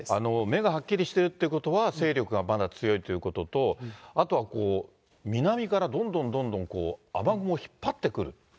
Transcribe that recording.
目がはっきりしてるということは、勢力がまだ強いということと、あとは南からどんどんどんどん雨雲引っ張ってくる。